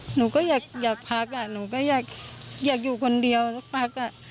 หนูก็อยากพักอ่ะหนูก็อยากอยู่คนเดียวสักพักอ่ะ